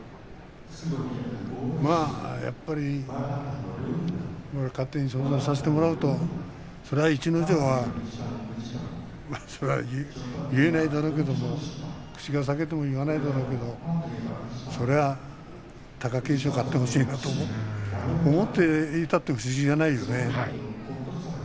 やっぱり勝手に予想させてもらうと逸ノ城はそりゃ言えないだろうけど口が裂けても言わないだろうけどそれは貴景勝勝ってほしいなと思っていても不思議じゃないですよね。